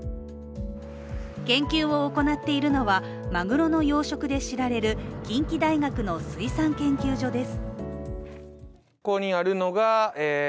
研究を行っているのはマグロの養殖で知られる近畿大学の水産研究所です。